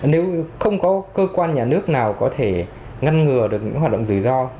nếu không có cơ quan nhà nước nào có thể ngăn ngừa được những hoạt động rủi ro